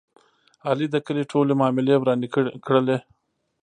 علي د کلي ټولې معاملې ورانې کړلې.